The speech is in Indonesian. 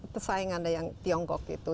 pesaingan yang ada tiongkok itu